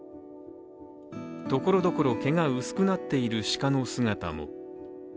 ところどころ、毛が薄くなっている鹿の姿も。